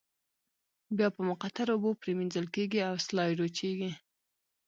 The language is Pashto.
بیا په مقطرو اوبو پریمنځل کیږي او سلایډ وچیږي.